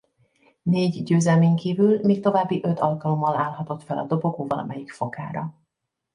Négy győzelmén kívül még további öt alkalommal állhatott fel a dobogó valamelyik fokára.